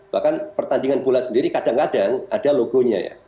bahkan pertandingan bola sendiri kadang kadang ada logonya ya